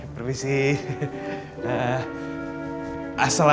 jadi kenapa haikal telat